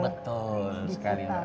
betul sekali mbak